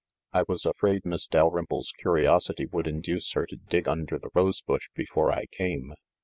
I was afraid Miss Dalrymple's curiosity would induce her to dig under the rose bush before I came.